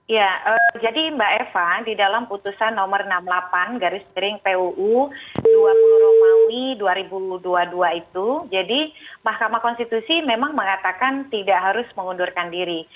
ya jadi mbak eva di dalam putusan nomor enam puluh delapan garis miring puu dua puluh dua ribu dua puluh dua itu jadi mahkamah konstitusi memang mengatakan tidak harus mengundurkan diri